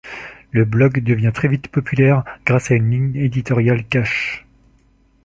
Le blog devient très vite populaire, grâce à une ligne éditoriale cash.